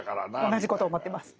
同じこと思ってます。